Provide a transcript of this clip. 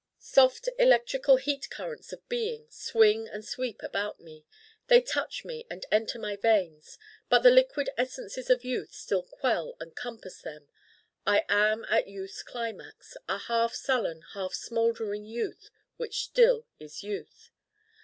Soft electrical heat currents of being swing and sweep around me. They touch me and enter my veins. But the liquid essences of youth still quell and compass them. I am at youth's climax a half sullen, half smouldering youth which still is youth.